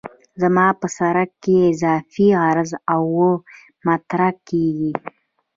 زما په سرک کې اضافي عرض اوه متره کیږي